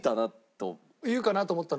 言うかなと思ったの？